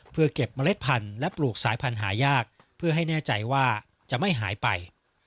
เพื่อเก็บเมล็ดพันธุ์และปลูกสายพันธุ์หายากเพื่อให้แน่ใจว่าจะไม่หายไป